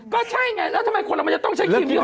ก็ใช่ไงแล้วทำไมคนเรามันจะต้องใช้ครีมเยอะ